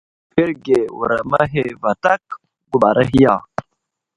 Anzeberge wuram ahe vatak guɓar ahe ya ?